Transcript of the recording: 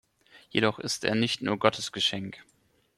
Jedoch ist er nicht nur Gottes Geschenk.